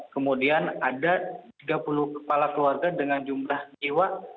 kemudian ada tiga puluh kepala keluarga dengan jumlah jiwa